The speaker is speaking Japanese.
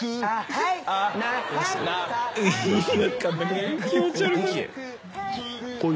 はい。